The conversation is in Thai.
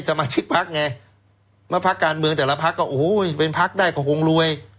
สมาชิกพักไงเมื่อพักการเมืองแต่ละพักก็โอ้โหเป็นพักได้ก็คงรวย